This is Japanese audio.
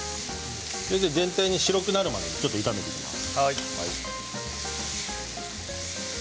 全体に白くなるまで炒めていきます。